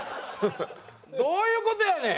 どういう事やねん！